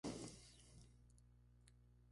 ella partió